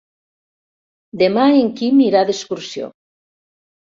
Demà en Quim irà d'excursió.